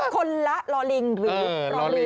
คนละลอลิงหรือลอเรือ